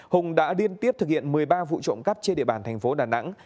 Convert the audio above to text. hùng đã liên tiếp thực hiện một mươi ba vụ trộm cắp trên địa bàn thành phố đà nẵng